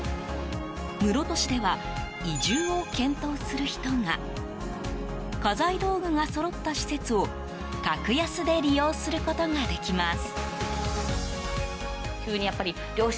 室戸市では移住を検討する人が家財道具がそろった施設を格安で利用することができます。